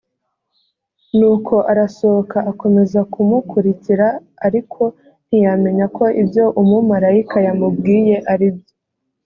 nuko arasohoka akomeza kumukurikira ariko ntiyamenya ko ibyo umumarayika yamubwiye ari byo